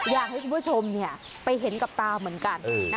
อยากให้คุณผู้ชมไปเห็นกับตาเหมือนกัน